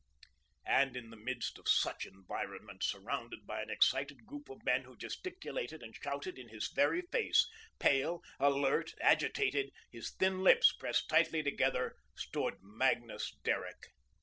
And in the midst of such environment, surrounded by an excited group of men who gesticulated and shouted in his very face, pale, alert, agitated, his thin lips pressed tightly together, stood Magnus Derrick.